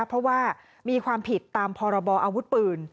เพราะว่ามีความผิดตามพรบออาวุธปืน